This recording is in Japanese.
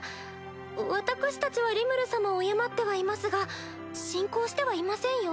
私たちはリムル様を敬ってはいますが信仰してはいませんよ？